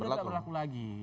sudah tidak berlaku lagi